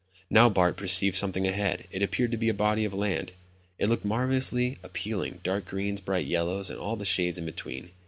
Now Bart perceived something ahead. It appeared to be a body of land. It looked marvelously appealing, dark greens, bright yellows, and all the shades in between.